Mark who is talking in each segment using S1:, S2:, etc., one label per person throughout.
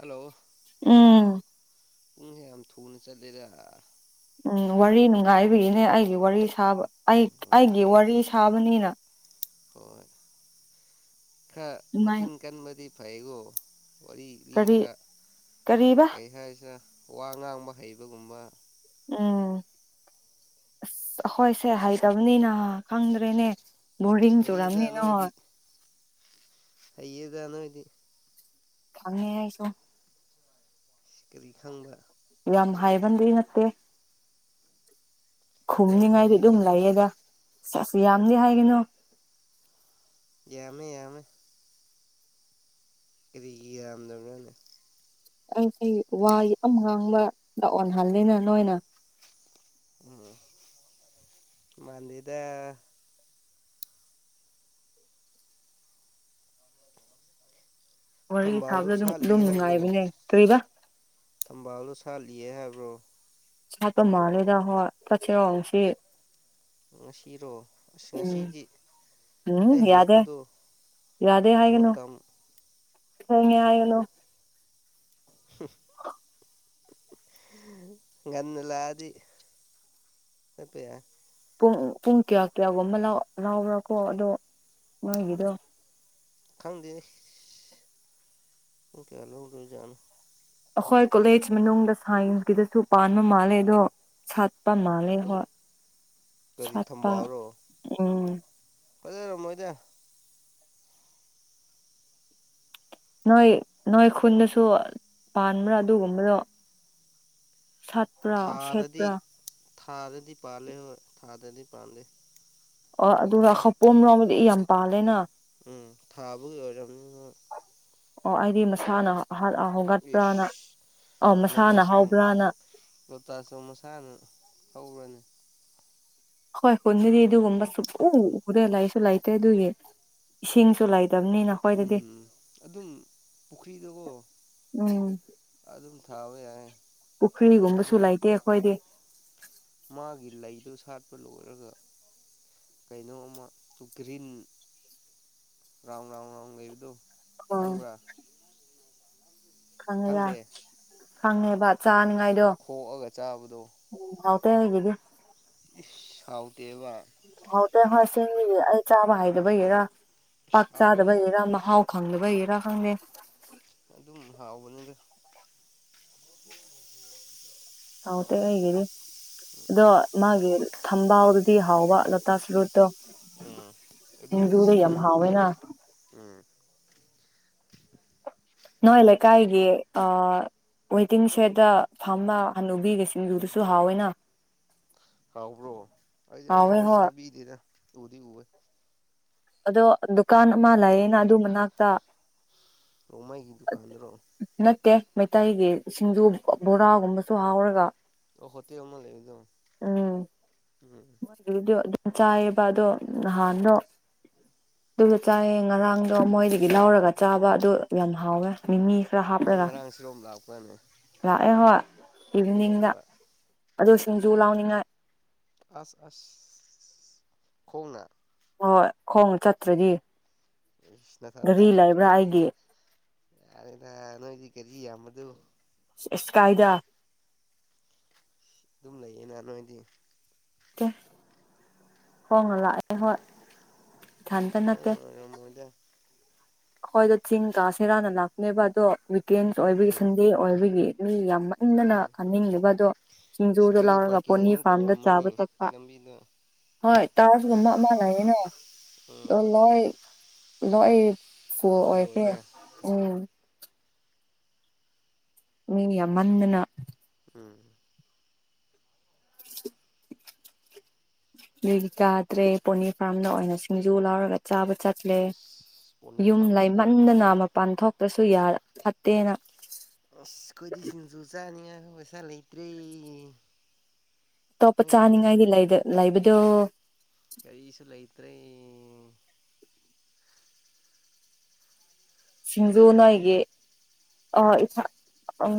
S1: hello
S2: ꯎꯝ
S1: ꯄꯨꯡꯁꯦ ꯌꯥꯝ ꯊꯨꯅ ꯆꯠꯂꯦꯗ
S2: ꯎ ꯋꯥꯔꯤ ꯅꯨꯡꯉꯥꯏꯕꯒꯤꯅꯦ ꯑꯩꯒꯤ ꯋꯥꯔꯤ ꯁꯥꯕ ꯑꯩ
S1: ꯎꯝ
S2: ꯑꯩꯒꯤ ꯋꯥꯔꯤ ꯁꯥꯕꯅꯤꯅ
S1: ꯍꯣꯏ ꯈꯔ
S2: ꯑꯗꯨꯃꯥꯏ
S1: ꯃꯆꯤꯟ ꯀꯟꯕꯗꯤ ꯐꯩꯒꯣ ꯋꯥꯔꯤ ꯂꯤ
S2: ꯀꯔꯤ
S1: ꯈ
S2: ꯀꯔꯤꯕ
S1: ꯀꯩ ꯍꯥꯏꯁꯤꯅ ꯋꯥ ꯉꯥꯡꯕ ꯍꯩꯕꯒꯨꯝꯕ
S2: ꯎꯝ ꯑꯁ ꯑꯩꯈꯣꯏꯁꯦ ꯍꯩꯇꯕꯅꯤꯅ ꯈꯪꯗ꯭ꯔꯦꯅꯦ ꯕꯣꯔꯤꯡ
S1: ꯍꯩꯌꯦꯗ
S2: ꯆꯨꯔꯥꯝꯅꯤ ꯅꯣꯏ
S1: ꯅꯣꯏꯗꯤ ꯍꯩꯌꯦꯗ ꯅꯣꯏꯗꯤ
S2: ꯈꯪ ꯑꯦ ꯑꯩꯁꯨ
S1: ꯀꯔꯤ ꯈꯪꯕ
S2: ꯌꯥꯝ ꯍꯥꯏꯕꯟꯗꯤ ꯅꯠꯇꯦ
S1: ꯌꯥꯝ
S2: ꯈꯨꯝꯅꯤꯡꯉꯥꯏꯗꯤ
S1: ꯍꯩꯌꯦꯗ
S2: ꯑꯗꯨꯝ ꯂꯩꯌꯦꯗ ꯆꯁꯨ ꯌꯥꯝꯗꯤ ꯍꯥꯏꯒꯅꯣ
S1: ꯌꯥꯃꯦ ꯌꯥꯃꯦ ꯀꯔꯤꯒꯤꯔꯥꯝꯗꯕꯔꯅꯦ
S2: ꯑꯩꯗꯤ ꯋꯥ ꯌꯥꯝꯅ ꯉꯥꯡꯕ ꯑꯣꯟꯍꯜꯂꯦꯅ ꯅꯣꯏꯅ
S1: ꯎꯝ ꯃꯟꯗꯦꯗ
S2: ꯋꯥꯔꯤ
S1: ꯊꯝꯕꯥꯜꯗꯣ
S2: ꯁꯥꯕꯗ ꯑꯗꯨꯝ
S1: ꯁꯥꯠꯂꯤ
S2: ꯑꯗꯨꯝ
S1: ꯍꯥꯏꯕ꯭ꯔꯣ
S2: ꯅꯨꯡꯉꯥꯏꯕꯅꯦ ꯀꯔꯤꯕ
S1: ꯊꯝꯕꯥꯜꯗꯣ ꯁꯥꯠꯂꯤꯌꯦ ꯍꯥꯏꯕ꯭ꯔꯣ
S2: ꯁꯥꯠꯄ ꯃꯥꯜꯂꯦꯗ ꯍꯣꯏ ꯆꯠꯁꯤꯔꯣ ꯍꯧꯖꯤꯛ
S1: ꯉꯁꯤꯔꯣ ꯑꯁ ꯉꯁꯤꯗꯤ
S2: ꯎꯝ
S1: ꯑꯩ
S2: ꯌꯥꯗꯦ
S1: ꯍꯜꯂꯛꯄꯗꯣ
S2: ꯌꯥꯗꯦ ꯍꯥꯏꯒꯅꯣ
S1: ꯃꯇꯝ
S2: ꯊꯦꯡꯉꯦ ꯍꯥꯏꯒꯅꯣ
S1: ꯉꯟꯅ ꯂꯥꯛꯑꯗꯤ ꯆꯠꯄ ꯌꯥꯏ
S2: ꯄꯨꯡ ꯄꯨꯡ ꯀꯌꯥ ꯀꯌꯥꯒꯨꯝꯕ ꯂꯧ ꯂꯥꯎꯕ꯭ꯔꯥꯀꯣ ꯑꯗꯣ ꯅꯣꯏꯒꯤꯗꯣ
S1: ꯈꯪꯗꯦꯅꯦ ꯄꯨꯡ ꯀꯥꯌꯥ ꯂꯧꯗꯣꯏ ꯖꯥꯠꯅꯣ
S2: ꯑꯩꯈꯣꯏ ꯀꯣꯂꯦꯖ ꯃꯅꯨꯡꯗ ꯁꯥꯏꯟꯁꯀꯤꯗꯁꯨ ꯄꯥꯟꯕ ꯃꯥꯜꯂꯦ ꯑꯗꯣ ꯁꯥꯠꯄ ꯃꯥꯜꯂꯦ ꯍꯣꯏ
S1: ꯀꯔꯤ
S2: ꯁꯥꯠꯄ ꯎꯝ
S1: ꯐꯖꯦꯔꯝꯃꯣꯏꯗ
S2: ꯅꯣꯏ ꯅꯣꯏ ꯈꯨꯟꯗꯁꯨ ꯄꯥꯟꯕ꯭ꯔꯥ ꯑꯗꯨꯒꯨꯝꯕꯗꯣ ꯁꯥꯠꯄ꯭ꯔꯥ
S1: ꯊꯥꯗꯗꯤ
S2: ꯁꯦꯠꯄ꯭ꯔꯥ
S1: ꯊꯥꯗꯗꯤ ꯄꯥꯟꯂꯦ ꯍꯣꯏ ꯊꯥꯗꯗꯤ ꯄꯥꯟꯂꯦ
S2: ꯑꯣ ꯑꯗꯨꯔ ꯍꯧꯄꯣꯝ ꯔꯣꯝꯗꯤ ꯌꯥꯝ ꯄꯥꯜꯂꯦꯅ
S1: ꯎꯝ ꯊꯥꯕꯒꯤ ꯑꯣꯏꯔꯝꯅꯤ ꯅꯣꯢ
S2: ꯑꯣ ꯑꯩꯗꯤ ꯃꯁꯥꯅ ꯑꯍꯠ ꯑ
S1: ꯏꯁ
S2: ꯍꯣꯡꯒꯠꯄ꯭ꯔꯥꯅ ꯑ ꯃꯁꯥꯅ ꯍꯥꯎꯕ꯭ꯔꯅ
S1: ꯑꯆꯨꯝ ꯃꯁꯥꯅ ꯍꯧꯔꯕꯅꯤ
S2: ꯍꯣꯏ ꯈꯨꯟꯗꯤ ꯑꯗꯨꯒꯨꯝꯕ ꯁꯨꯛ ꯎ ꯎꯗꯦ ꯂꯥꯏꯁꯨ ꯂꯩꯇꯦ ꯑꯗꯨꯒꯤ ꯏꯁꯤꯡꯁꯨ ꯂꯩ
S1: ꯎꯝ ꯑꯗꯨꯝ ꯄꯨꯈ꯭ꯔꯤꯗꯣꯀꯣ
S2: ꯎꯝ
S1: ꯑꯗꯨꯝ ꯊꯥꯕ ꯌꯥꯢ
S2: ꯄꯨꯈ꯭ꯔꯤꯒꯨꯝꯕꯁꯨ ꯂꯩꯇꯦ ꯑꯩꯈꯣꯏꯗꯤ
S1: ꯃꯥꯒꯤ ꯂꯩꯗꯨ ꯁꯥꯠꯄ ꯂꯣꯏꯔꯒ ꯀꯩꯅꯣ ꯑꯃ ꯒ꯭ꯔꯤꯟ ꯔꯥꯎꯟ ꯔꯥꯎꯟ ꯔꯥꯎꯟ ꯂꯩꯕꯗꯣ
S2: ꯑꯣ
S1: ꯈꯪꯕ꯭ꯔꯥ
S2: ꯈꯪꯉꯦꯗ
S1: ꯈꯪꯗꯦ
S2: ꯈꯪꯉꯦꯕ ꯆꯥꯅꯤꯡ
S1: ꯈꯣꯛꯑꯒ ꯆꯥꯕꯗꯣ
S2: ꯇꯒꯤꯗꯤ
S1: ꯏꯁ ꯍꯥꯎ
S2: ꯍꯎꯇꯦ ꯍꯣꯏꯁꯦ ꯑꯩ ꯆꯥꯕ ꯍꯩꯗꯕꯒꯤꯔꯥ
S1: ꯏꯁ
S2: ꯄꯥꯛ
S1: ꯍꯥꯎꯋꯦꯍꯦ
S2: ꯆꯥꯗꯕꯒꯤꯔꯥ ꯃꯍꯥꯎ ꯈꯪꯗꯕꯩꯔ ꯈꯪꯗꯦ
S1: ꯑꯗꯨꯝ ꯍꯥꯎꯕꯅꯤꯗ
S2: ꯍꯥꯎ ꯇꯦ ꯑꯩꯩꯒꯤꯗꯤ ꯑꯗꯣ ꯃꯥꯒꯤ ꯊꯝꯕꯣꯎꯗꯨ ꯇꯤ ꯍꯥꯎꯕ ꯂꯣꯇꯥꯁ ꯔꯨꯠꯇꯣ
S1: ꯎꯝ
S2: ꯁꯤꯡꯖꯨꯗꯣ ꯌꯥꯝ
S1: ꯑꯗꯨꯁꯤꯡꯖꯩꯗ
S2: ꯍꯥꯎꯋꯦꯅ
S1: ꯎꯝ
S2: ꯅꯣꯏ ꯂꯩꯀꯥꯏꯒꯤ ꯑꯥ ꯋꯦꯇꯤꯡ ꯁꯦꯠꯇ ꯐꯝꯕ ꯍꯅꯨꯕꯤꯒꯤ ꯁꯤꯡꯖꯨꯗꯨꯁꯨ ꯍꯥꯎꯋꯦꯅ
S1: ꯍꯥꯎꯕ꯭ꯔꯣ ꯑꯩꯗꯤ
S2: ꯍꯥꯎꯋꯦ
S1: ꯑꯃꯨꯛꯐꯥꯎ
S2: ꯍꯣꯏ
S1: ꯆꯥꯕꯤꯗꯦꯗ ꯎꯗꯤ ꯎꯋꯦ
S2: ꯑꯗꯣ ꯗꯨꯀꯥꯟ ꯑꯃ ꯂꯩꯌꯦꯅ ꯑꯗꯨ ꯃꯅꯥꯛꯇ
S1: ꯔꯣꯡꯃꯩꯒꯤ ꯗꯨꯀꯥꯟꯗꯔꯣ
S2: ꯇꯦ ꯃꯩꯇꯩꯒꯤ ꯁꯤꯡꯖꯨ ꯕꯣꯔꯥꯒꯨꯝꯕꯁꯨ ꯍꯥꯎꯔꯒ
S1: ꯑꯣ ꯍꯣꯇꯦꯜ ꯑꯃ ꯂꯩꯕꯗꯣ ꯎꯝ
S2: ꯃꯣꯏꯒꯤꯗꯣ ꯑꯗꯨꯝ ꯆꯥꯏꯌꯦꯕ ꯑꯗꯣ
S1: ꯎꯝ
S2: ꯅꯍꯥꯟꯗꯣ ꯑꯗꯨꯗ ꯆꯥꯏꯌꯦ ꯉꯔꯥꯡꯗꯣ ꯃꯣꯏꯗꯒꯤ ꯂꯧꯔꯒ ꯆꯥꯕ ꯑꯗꯨ ꯌꯥꯝ ꯍꯥꯎꯋꯦ ꯃꯤꯃꯤ ꯈꯔ
S1: ꯅꯪ ꯉꯔꯥꯡ ꯁꯤꯔꯣꯝ ꯂꯥꯛꯄ꯭ꯔꯅꯦ
S2: ꯑꯩ ꯍꯣꯏ ꯏꯚꯤꯅꯤꯡꯗ ꯑꯗꯨ ꯁꯤꯡꯖꯨ ꯂꯥꯎꯅꯤꯡꯉꯥꯏ
S1: ꯑꯁ ꯑꯁ ꯈꯣꯡꯅ
S2: ꯍꯣꯏ ꯈꯣꯡꯅ ꯆꯠꯇ꯭ꯔꯗꯤ
S1: ꯏꯁ ꯅꯊꯟꯇ
S2: ꯒꯥꯔꯤ ꯂꯩꯕ꯭ꯔꯥ ꯑꯩꯒꯤ
S1: ꯌꯥꯔꯦꯗ ꯅꯣꯏꯗꯤ ꯒꯔꯤ ꯌꯥꯝꯕꯗꯨ
S2: ꯏꯁ ꯀꯥꯏꯗ
S1: ꯗꯨꯝ ꯂꯩꯌꯦꯅ ꯅꯣꯏꯗꯤ
S2: ꯇꯦ ꯈꯣꯡꯅ ꯂꯥꯛꯑꯦ ꯍꯣꯏ ꯏꯊꯟꯇ ꯅꯠꯇꯦ
S1: ꯈꯣꯡꯅ ꯑꯣꯏꯔꯝꯃꯣꯏꯗ
S2: ꯑꯩꯈꯣꯏꯗꯣ ꯆꯤꯡ ꯀꯥꯁꯦꯔꯅ ꯂꯥꯛꯄꯅꯦꯕ ꯑꯗꯣ ꯋꯤꯛꯀꯦꯟ ꯑꯣꯏꯕꯒꯤ
S1: ꯎꯝ
S2: ꯁꯟꯗꯦ ꯑꯣꯏꯕꯒꯤ ꯃꯤ ꯌꯥꯝ ꯃꯟꯗꯅ
S1: ꯎꯝ
S2: ꯀꯅꯤꯡꯗꯕ ꯑꯗꯣ ꯁꯤꯡꯖꯨ
S1: ꯁꯤ ꯒꯥꯔꯤ
S2: ꯂꯥꯎꯔꯒ
S1: ꯄꯥꯔꯀꯤꯡ
S2: ꯄꯣꯟꯅꯤ
S1: ꯑꯃꯨꯛ
S2: ꯐ꯭ꯔꯥꯝꯗ
S1: ꯇꯧꯔꯝꯃꯅꯤ
S2: ꯆꯥꯕ ꯆꯠꯄ
S1: ꯂꯝꯕꯤꯗꯣ
S2: ꯍꯣꯏ ꯇꯧꯋꯥꯔꯒꯨꯝꯕ ꯑꯃ ꯂꯩꯌꯦꯅꯦ
S1: ꯎꯝ
S2: ꯑꯗꯨ ꯂꯣꯏ ꯑꯗꯣ ꯑꯩ ꯐꯨꯜ ꯑꯣꯏꯈ꯭ꯔꯦ ꯎꯝ ꯃꯤ ꯌꯥꯝ ꯃꯟꯗꯅ
S1: ꯎꯝ [inaudible]
S2: ꯑꯗꯨꯒꯤ ꯆꯥꯗ꯭ꯔꯦ ꯄꯣꯅꯤ ꯐ꯭ꯔꯥꯝꯗ ꯑꯣꯏꯅ ꯁꯤꯡꯖꯨ ꯂꯥꯎꯔꯒ ꯆꯥꯕ ꯆꯠ ꯂꯩ
S1: ꯑꯁ ꯄꯣꯅꯤ
S2: ꯌꯨꯝ
S1: ꯐꯥꯔꯝꯗ ꯕꯣꯛ
S2: ꯂꯩꯃꯟꯗꯅ ꯃꯄꯥꯟ ꯊꯣꯛꯇ꯭ꯔꯁꯨ ꯌꯥ ꯐꯠꯇꯦꯅ
S1: ꯑꯗꯨ ꯄꯩꯁꯥ ꯂꯩꯇ꯭ꯔꯦ
S2: ꯑꯇꯣꯞꯄ
S1: ꯅꯣꯏꯒꯨꯝꯅ
S2: ꯆꯥꯅꯤꯡꯉꯥꯏꯗꯤ ꯂꯩꯗ ꯂꯩꯕꯗꯣ
S1: ꯀꯔꯤꯁꯨ ꯂꯩꯇ꯭ꯔꯦ
S2: ꯁꯤꯡꯖꯨ ꯅꯣꯏꯒꯤ ꯑꯣ ꯏꯊ ꯎꯝ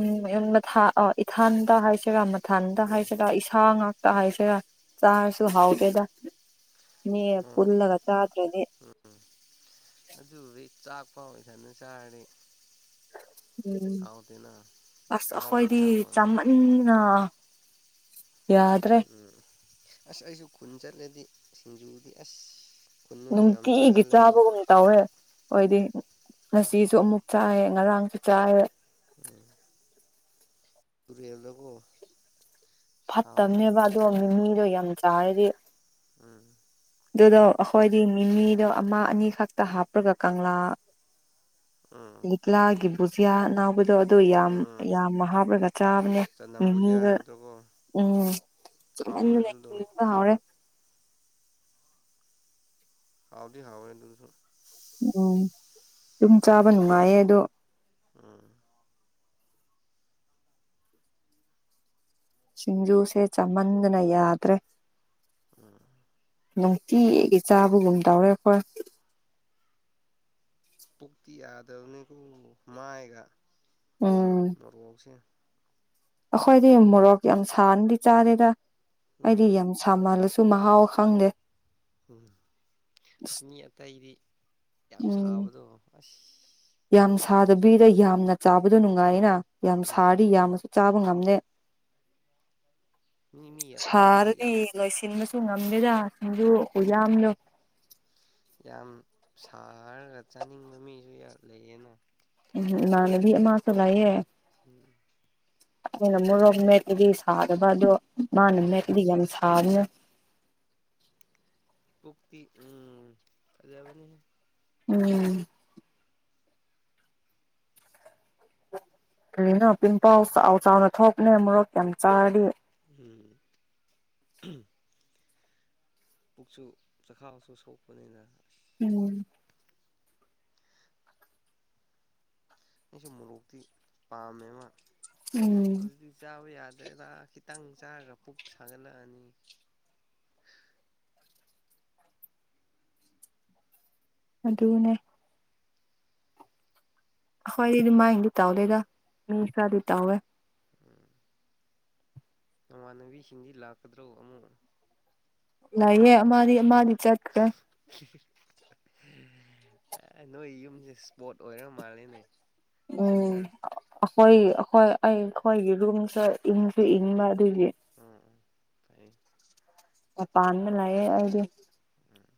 S2: ꯃꯊꯥ ꯏꯊꯥꯟꯗ ꯍꯥꯏꯁꯤꯔ ꯏꯊꯟꯗ
S1: ꯎꯝ
S2: ꯍꯥꯏꯁꯤꯔ ꯏꯁꯥ ꯉꯥꯛꯇ ꯍꯥꯏꯁꯤꯔꯥ ꯆꯥꯔꯁꯨ ꯍꯥꯎꯇꯦꯗ ꯃꯤ
S1: ꯍꯣꯏ
S2: ꯄꯨꯜꯂꯒ ꯆꯥꯇ꯭ꯔꯗꯤ
S1: ꯎꯝ ꯄꯥꯎꯒꯤ ꯁꯟꯗꯣ ꯆꯥꯔꯗꯤ
S2: ꯎꯝ
S1: ꯍꯥꯎꯇꯦꯅ
S2: ꯑꯁ
S1: ꯑꯍꯥꯎꯕ
S2: ꯑꯩꯈꯣꯏꯗꯤ
S1: ꯏꯟꯁꯥꯡ ꯑꯣꯏꯔꯁꯨ
S2: ꯆꯥꯃꯟꯗꯅ ꯌꯥꯗ꯭ꯔꯦ
S1: ꯎꯝ ꯑꯁ ꯑꯩꯁꯨ ꯈꯨꯟ ꯆꯠꯂꯗꯤ ꯁꯤꯡꯖꯨꯗꯤ ꯑꯁ ꯈꯨꯟꯗꯁꯨ ꯌꯥꯝ
S2: ꯅꯨꯡꯇꯤꯒꯤ
S1: ꯆꯥꯒꯜꯂꯦꯕ
S2: ꯆꯥꯕꯒꯨꯝ ꯇꯧꯋꯦ ꯑꯩꯈꯣꯏꯗꯤ ꯉꯁꯤꯁꯨ ꯑꯃꯨꯛ ꯆꯥꯏꯑꯦ ꯉꯔꯥꯡꯁꯨ ꯆꯥꯏꯌꯦ
S1: ꯎꯝ ꯇꯨꯔꯦꯜꯗꯀꯣ ꯁꯥꯎꯕꯅꯦ
S2: ꯐꯠꯇꯕꯅꯦꯕ ꯑꯗꯣ ꯃꯤꯃꯤꯗꯣ ꯌꯥꯝ ꯆꯥꯔꯗꯤ
S1: ꯎꯝ
S2: ꯑꯗꯨꯗꯣ
S1: ꯑꯁ
S2: ꯑꯩꯈꯣꯏꯗꯤ ꯃꯤꯃꯤꯗꯣ ꯑꯃ ꯑꯅꯤ ꯈꯛꯇ ꯍꯥꯞꯔꯒ ꯀꯪꯂꯥ
S1: ꯎꯝ
S2: ꯒꯨꯠꯂꯥꯒꯤ ꯕꯨꯖꯤꯌꯥ ꯑꯅꯧ ꯗꯣ ꯗꯨ ꯌꯥꯝ
S1: ꯎꯝ ꯎꯝ
S2: ꯌꯥꯝꯅ ꯍꯥꯞꯂꯒ ꯆꯥꯕꯅꯦ
S1: ꯆꯅꯝ ꯕꯨꯖꯤꯌꯥ
S2: ꯃꯤꯃꯤꯒ
S1: ꯍꯥꯏꯕꯗꯣꯀꯣ
S2: ꯎꯝ
S1: ꯍꯥꯎꯋꯦ
S2: ꯆꯥꯃꯟꯗꯅ
S1: ꯑꯗꯨꯗꯣ
S2: ꯀꯤꯕ ꯍꯥꯎꯔꯦ
S1: ꯍꯥꯎꯗꯤ ꯍꯥꯎꯋꯦ ꯑꯗꯨꯁꯨ
S2: ꯎꯝ ꯗꯨꯝ ꯆꯥꯕ ꯅꯨꯡꯉꯥꯏꯌꯦ ꯑꯗꯣ
S1: ꯎꯝ
S2: ꯁꯤꯡꯖꯨꯁꯦ ꯆꯥꯃꯟꯗꯅ ꯌꯥꯗ꯭ꯔꯦ
S1: ꯎꯝ
S2: ꯅꯨꯡꯇꯤꯒꯤ ꯆꯥꯕꯒꯨꯝ ꯇꯧꯔꯦ ꯑꯩꯈꯣꯏ
S1: ꯄꯨꯛꯇꯤ ꯌꯥꯗꯕꯅꯤꯀꯣ ꯃꯥꯏꯒ
S2: ꯎꯝ
S1: ꯃꯣꯔꯣꯛꯁꯦ
S2: ꯑꯩꯈꯣꯏꯗꯤ ꯃꯣꯔꯣꯛ ꯌꯥꯝ ꯁꯥꯅꯗꯤ ꯆꯥꯗꯦꯗ
S1: ꯎꯝ
S2: ꯑꯩꯗꯤ ꯌꯥꯝ ꯁꯥꯃꯜꯂꯁꯨ ꯁꯨ ꯃꯍꯥꯎ ꯈꯪꯗꯦ
S1: ꯎꯝ ꯑꯁ ꯃꯤ ꯑꯇꯩꯗꯤ ꯌꯥꯝ
S2: ꯎꯝ
S1: ꯁꯥꯥꯕꯗꯣ ꯑꯁ
S2: ꯕꯤꯗ ꯌꯥꯝꯅ ꯆꯥꯕꯗꯣ ꯅꯨꯡꯉꯥꯏꯌꯦꯅ ꯌꯥꯝꯅ
S1: ꯎꯝ
S2: ꯁꯥꯔꯤ ꯌꯥꯝꯅꯁꯨ ꯆꯥꯕꯗꯨ ꯉꯝꯗꯦ
S1: ꯃꯤ ꯃꯤ ꯑꯄꯥꯝꯕꯅ
S2: ꯁꯥꯔꯗꯤ
S1: ꯌꯥꯝ
S2: ꯂꯣꯏꯁꯤꯟꯕꯁꯨ ꯉꯝ ꯗꯦꯗ ꯑꯗꯨ ꯈꯨꯌꯥꯝꯗꯣ
S1: ꯌꯥꯝ ꯁꯥꯔꯒ ꯆꯥꯅꯤꯡꯕ ꯃꯤꯁꯨ ꯌꯥ ꯂꯩꯌꯦꯅꯦ
S2: ꯎꯝ ꯢꯃꯥꯟꯅꯕꯤ ꯑꯃꯁꯨ ꯂꯩꯌꯦ ꯑꯩꯅ ꯃꯣꯔꯣꯛ ꯃꯦꯠꯄꯗꯤ ꯁꯥꯗꯕ ꯑꯗꯣ ꯃꯥꯅ
S1: ꯎꯝ
S2: ꯃꯦꯠꯄꯗꯤ ꯌꯥꯝ ꯁꯥꯕꯅꯦ
S1: ꯄꯨꯛꯇꯤ ꯎꯝ ꯐꯖꯕꯅꯦꯍꯦ
S2: ꯎꯝ ꯀꯔꯤꯅꯣ ꯄꯤꯝꯄꯜꯁ ꯆꯥꯎ ꯆꯥꯎꯅ ꯊꯣꯛꯄꯅꯦ ꯃꯣꯔꯣꯛ ꯌꯥꯝ ꯆꯥꯔꯗꯤ
S1: ꯎꯝ ꯄꯨꯛꯁꯨ ꯆꯈꯥꯎꯁꯨ ꯁꯣꯛꯄꯅꯤꯅ
S2: ꯎꯝ
S1: ꯑꯩꯁꯨ ꯃꯣꯔꯣꯛꯇꯤ ꯄꯥꯝꯃꯦꯕ
S2: ꯎꯝ
S1: ꯍꯧꯖꯤꯛꯇꯤ ꯆꯥꯕ ꯌꯥ ꯗꯦꯗ ꯈꯤꯇꯪ ꯆꯥꯔꯒ ꯄꯨꯛ ꯁꯥꯒꯠꯂꯛꯑꯅꯤ
S2: ꯑꯗꯨꯅꯦ ꯈꯣꯏ ꯑꯗꯨꯃꯥꯢꯅꯗꯤ ꯇꯧꯗꯦꯗ ꯃꯤ ꯈꯔꯗꯤ ꯇꯧꯋꯦ
S1: ꯎꯝ ꯅꯃꯥꯟꯅꯕꯤꯁꯤꯡꯗꯤ ꯂꯥꯛꯀꯗ꯭ꯔꯣ ꯑꯃꯨꯛ
S2: ꯂꯩꯌꯦ ꯑꯃꯗꯤ ꯑꯃꯗꯤ ꯆꯠꯈ꯭ꯔꯦ
S1: ꯍꯤ ꯑꯥ ꯅꯣꯏ ꯌꯨꯝꯁꯦ ꯁ꯭ꯄꯣꯠ ꯑꯣꯏꯔ ꯃꯥꯜꯂꯦꯅꯦ
S2: ꯎꯝ
S1: ꯁꯦꯟꯇꯔ
S2: ꯑꯩꯈꯣꯏ ꯑꯩꯈꯣꯏ ꯑꯩ ꯑꯩꯈꯣꯏꯒꯤ ꯔꯨꯝꯁꯦ ꯏꯪꯁꯨ ꯏꯪꯕ ꯑꯗꯨꯒꯤ
S1: ꯎꯝ ꯎꯝ ꯐꯩꯌꯦ
S2: ꯃꯄꯥꯟꯗ ꯂꯩꯌꯦ ꯑꯩꯗꯤ
S1: ꯎꯝ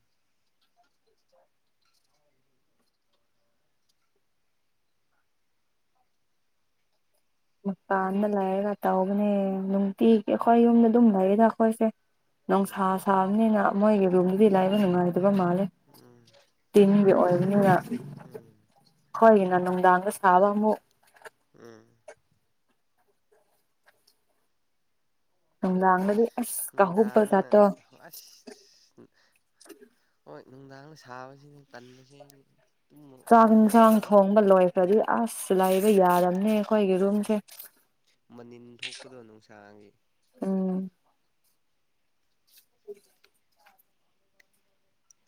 S2: ꯃꯄꯥꯟꯗ ꯂꯩꯔꯒ ꯇꯧꯕꯅꯦ ꯅꯨꯡꯇꯤꯒꯤ ꯑꯩꯈꯣꯏ ꯌꯨꯝꯗ ꯑꯗꯨꯝ ꯂꯩꯌꯦꯗ ꯑꯩꯈꯣꯏꯁꯦ
S1: ꯎꯝ
S2: ꯅꯨꯡꯁꯥ ꯁꯥꯕꯅꯤꯅ ꯃꯣꯏꯒꯤ ꯔꯨꯝꯗꯨꯗꯤ ꯂꯩꯕ ꯅꯨꯡꯉꯥꯏꯇꯕ ꯕ ꯃꯥꯜꯂꯦ
S1: ꯎꯝ
S2: ꯇꯤꯟꯒꯤ ꯑꯣꯏꯕꯅꯤꯅ
S1: ꯎꯝ
S2: ꯈꯣꯏꯒꯤꯅ ꯅꯨꯡꯗꯥꯡꯒ ꯁꯥꯕ ꯑꯃꯨꯛ
S1: ꯎꯝ
S2: ꯅꯨꯡꯗꯥꯡꯗꯗꯤ ꯑꯁ ꯀꯥꯍꯨꯕ
S1: ꯅꯨꯡꯗꯥꯥꯡꯗꯅ
S2: ꯖꯥꯠꯇꯣ
S1: ꯑꯁ ꯍꯣꯏ ꯅꯨꯡꯗꯥꯡꯗ ꯁꯥꯕꯁꯤꯅꯤ ꯇꯟꯕꯁꯦ ꯑꯩꯗꯤ ꯇꯨꯝꯃ
S2: ꯆꯥꯛ
S1: ꯇꯨꯝꯕ
S2: ꯌꯦꯟꯁꯥꯡ
S1: ꯃꯇꯝꯗꯀꯣ
S2: ꯊꯣꯡꯕ ꯂꯣꯏꯈ꯭ꯔꯗꯤ ꯑꯁ ꯂꯩꯥꯏꯕ ꯌꯥꯔꯝꯅꯦ
S1: ꯎꯝ ꯃꯅꯤꯟ ꯊꯣꯛꯄꯗꯣ ꯅꯨꯡꯁꯥꯒꯤ
S2: ꯎꯝ [inaudible]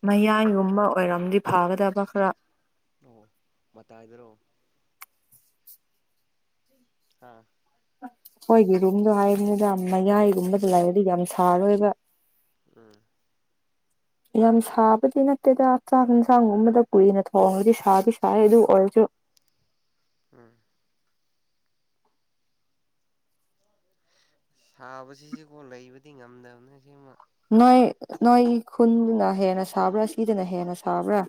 S2: ꯃꯌꯥꯟꯒꯨꯝꯕ ꯑꯣꯏꯔꯝꯗꯤ ꯐꯒꯗꯕ ꯈꯔ
S1: ꯑꯣ ꯃꯇꯥꯢꯗꯔꯣ ꯑꯥ
S2: ꯍꯣꯏꯒꯤ ꯔꯨꯝꯗꯣ ꯍꯥꯏꯔꯤꯅꯤꯗ ꯌꯥꯝ ꯃꯌꯥꯏꯒꯨꯝꯕꯗ
S1: ꯎꯝ
S2: ꯂꯩꯥꯛꯔꯗꯤ ꯌꯥꯝ ꯁꯥꯔꯣꯏꯕ
S1: ꯎꯝ
S2: ꯌꯥꯝ ꯁꯥꯕꯗꯤ ꯅꯠꯇꯦꯗ ꯆꯥꯛ ꯌꯦꯟꯁꯥꯡꯒꯨꯝꯕꯗ ꯀꯨꯏꯅ ꯊꯣꯡꯉꯗꯤ ꯁꯥꯗꯤ ꯁꯥꯏ ꯑꯗꯨ ꯑꯣꯏꯔꯁꯨ
S1: ꯎꯝ ꯁꯥꯕꯁꯤꯁꯨꯀꯣ ꯂꯩꯕꯗꯤ ꯉꯝꯗꯕꯅ ꯁꯤꯃ
S2: ꯅꯣꯏ ꯅꯣꯏꯒꯤ ꯈꯨꯟꯗꯨꯅ ꯍꯦꯟꯅ ꯁꯥꯕ꯭ꯔꯥ ꯁꯤꯗꯅ ꯍꯦꯟꯅ ꯁꯥꯕ꯭ꯔꯥ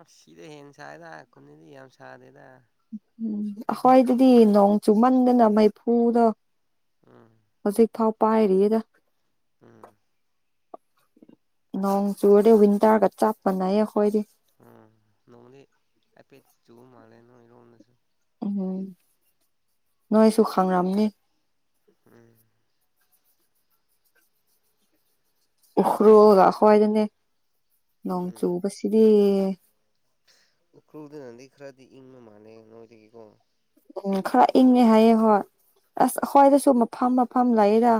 S1: ꯑ ꯁꯤꯗ ꯍꯦꯟꯅ ꯁꯥꯏꯗ ꯈꯨꯨꯟꯅꯤꯗꯤ ꯌꯥꯝ ꯁꯥꯗꯦꯗ
S2: ꯎꯝ ꯑꯈꯣꯏꯗꯨꯗꯤ ꯅꯣꯡ ꯆꯨꯃꯟꯗꯅ ꯃꯩꯐꯨꯗꯣ
S1: ꯎꯝ
S2: ꯍꯧꯖꯤꯛ ꯐꯥꯎ ꯄꯥꯏꯔꯤꯌꯦꯗ
S1: ꯎꯝ
S2: ꯅꯣꯡ ꯆꯨꯔꯗꯤ ꯋꯤꯟꯇ꯭ꯔꯒ ꯆꯞꯃꯟꯅꯌꯩ ꯑꯈꯣꯏꯗꯤ
S1: ꯎꯝ ꯅꯣꯡ ꯍꯥꯏꯐꯦꯠ ꯆꯨꯕ ꯃꯥꯟꯂꯦ ꯅꯣꯏꯔꯣꯝꯗꯁꯨ
S2: ꯎꯝ ꯅꯣꯏꯁꯨ ꯈꯪꯔꯝꯅꯤ
S1: ꯎꯝ
S2: ꯎꯈ꯭ꯔꯨꯜꯒ ꯑꯈꯣꯏꯒ ꯅꯦ ꯅꯣꯡ
S1: ꯎꯝ
S2: ꯆꯨꯕꯁꯤꯗꯤ
S1: ꯎꯈ꯭ꯔꯨꯜꯗꯅꯗꯤ ꯈꯥꯔꯗꯤ ꯏꯪꯕ ꯃꯥꯟꯂꯦ ꯅꯣꯏꯗꯒꯤꯀꯣ
S2: ꯎꯝ ꯈꯥꯔ ꯏꯪꯉꯦ ꯍꯥꯏꯌꯦ ꯍꯣꯏ ꯑꯁ ꯑꯩꯈ꯭ꯣꯏꯗꯁꯨ ꯃꯐꯝ ꯃꯐꯝ ꯂꯩꯌꯦꯗ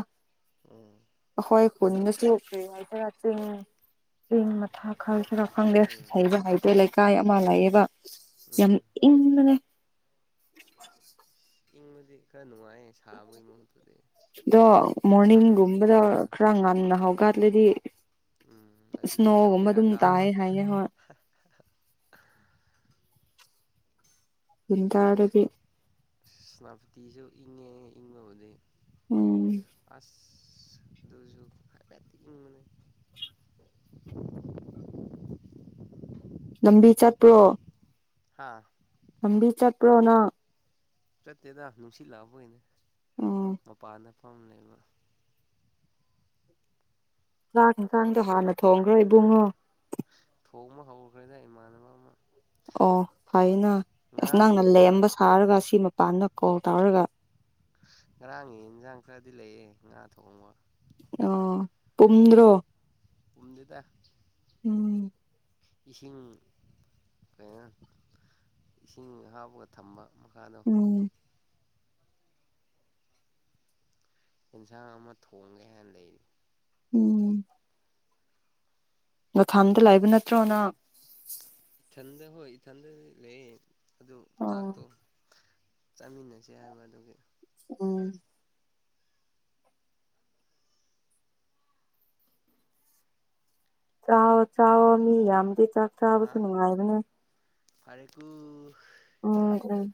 S1: ꯎꯝ
S2: ꯑꯈꯣꯏ ꯈꯨꯟꯗꯁꯨ ꯀꯔꯤ ꯍꯥꯏꯁꯤꯔ ꯆꯤꯡ ꯆꯤꯡ ꯃꯊꯥ ꯈꯥꯔ ꯈꯥꯔ ꯈꯪꯗꯦ
S1: ꯎꯝ
S2: ꯍꯩꯕ ꯇꯩꯕ ꯂꯩꯀꯥꯏ ꯑꯃ ꯂꯩꯑꯦꯕ ꯌꯥꯝ
S1: ꯎꯝ
S2: ꯏꯪꯕꯅꯦ [inaudible]
S1: ꯏꯪꯕꯗꯤ ꯈꯥꯔ ꯅꯨꯡꯉꯥꯏꯌꯦ ꯁꯥꯕꯒꯤ ꯃꯍꯨꯠꯇꯨꯗꯤ
S2: ꯑꯗꯣ
S1: ꯁꯥꯍꯟꯕ
S2: ꯃꯣꯔꯅꯤꯡꯒꯨꯝꯕꯗ
S1: ꯍꯥꯏꯅ
S2: ꯈꯥꯔ ꯉꯟꯅ ꯍꯧ ꯒꯠꯂꯗꯤ
S1: ꯎꯝ ꯑꯗꯨꯗꯤ ꯈꯔ
S2: ꯁ꯭ꯅꯣꯒꯨꯝꯕ
S1: ꯕꯦꯔꯥ
S2: ꯑꯗꯨꯝ
S1: ꯀꯥꯕ
S2: ꯇꯥꯏ ꯍꯥꯏꯌꯦ ꯍꯣꯏ ꯋꯤꯟꯇ꯭ꯔꯗꯗꯤ
S1: ꯁꯦꯅꯄꯇꯤꯁꯨ ꯏꯉꯦ ꯏꯪꯕꯨꯗꯤ
S2: ꯎꯝ
S1: ꯑꯁ ꯑꯗꯨꯖꯨ ꯍꯥꯏꯐꯠꯇꯤ ꯏꯪꯕꯅꯦ [unintelligible]
S2: ꯂꯝꯕꯤ ꯆꯠꯄ꯭ꯔꯣ
S1: ꯍꯥꯥ
S2: ꯂꯝꯕꯤ ꯆꯠꯄ꯭ꯔꯣ ꯅ
S1: ꯆꯠꯇꯦꯗ ꯅꯨꯡꯁꯤꯠꯂꯛꯄꯒꯤꯅꯦ
S2: ꯎꯝ
S1: ꯃꯄꯥꯟꯗ ꯐꯝꯃ ꯂꯩꯕ
S2: ꯆꯥꯛ ꯏꯟꯁꯥꯡꯗꯣ ꯍꯥꯟꯅ ꯊꯣꯡꯈ꯭ꯔꯣ ꯏꯕꯨꯡꯉꯣ
S1: ꯇꯣꯡꯕ ꯍꯧꯈ꯭ꯔꯦꯗ ꯏꯃꯥꯟꯅꯕ ꯑꯃ
S2: ꯑꯣ ꯐꯩꯌꯅ ꯑꯁ
S1: ꯉꯔꯥꯡꯒꯤ
S2: ꯅꯪꯅ
S1: ꯌꯦꯟꯖꯥꯡ
S2: ꯂꯦꯝꯕ ꯁꯥꯔꯒ ꯁꯤ ꯃꯄꯥꯟꯗ ꯀꯣꯜ ꯇꯧꯔꯒ
S1: ꯉꯔꯥꯡꯒꯤ ꯌꯦꯟꯁꯥꯡ ꯈꯥꯔꯗꯤ ꯂꯩꯌꯦ ꯉꯥ ꯊꯣꯡꯕ
S2: ꯑꯣ ꯇꯨꯝꯗ꯭ꯔꯣ
S1: ꯄꯨꯝꯗꯦꯗ
S2: ꯎꯝ
S1: ꯏꯁꯤꯡ ꯀꯩꯅꯣ ꯏꯁꯤꯡ ꯍꯥꯞꯄꯒ ꯊꯝꯕ ꯃꯈꯥꯗ
S2: ꯎꯝ
S1: ꯑꯦꯟꯁꯥꯡ ꯑꯃ ꯊꯣꯡꯒꯦ ꯍꯥꯏ ꯂꯩ
S2: ꯎꯝ ꯅꯊꯟꯗ ꯂꯩꯕ ꯅꯠꯇ꯭ꯔꯣ ꯅꯪ
S1: ꯏꯊꯟꯗ ꯍꯣꯏ ꯏꯊꯟꯗꯗꯤ ꯂꯩꯌꯦ ꯑꯗꯨ
S2: ꯑꯣ
S1: ꯆꯥꯛꯇꯣ ꯆꯥꯃꯤꯟꯅꯁꯦ ꯍꯥꯏꯕ ꯑꯗꯨꯒꯤ
S2: ꯎꯝ ꯆꯥꯋꯣ ꯆꯥꯋꯣ ꯃꯤ ꯌꯥꯝꯃꯗꯤ ꯆꯥꯛ
S1: ꯍꯥ
S2: ꯆꯥꯕꯁꯨ ꯅꯨꯡꯉꯥꯏꯕꯅꯦ
S1: ꯐꯔꯦꯀꯨ
S2: ꯎꯝ